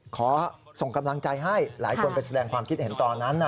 ขอส่งกำลังใจให้หลายคนไปแสดงความคิดเห็นตอนนั้น